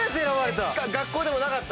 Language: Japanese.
学校でもなかった？